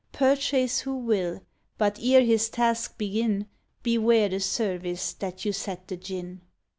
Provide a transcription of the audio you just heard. Purchase who will, but, ere his task begin, Beware the service that you set the djinn!